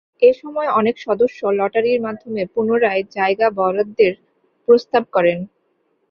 এ সময় অনেক সদস্য লটারির মাধ্যমে পুনরায় জায়গা বরাদ্দের প্রস্তাব করেন।